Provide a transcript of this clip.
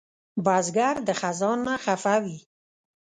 بزګر د خزان نه خفه وي